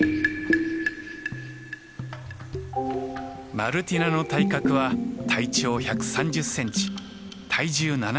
マルティナの体格は体長１３０センチ体重７０キロ。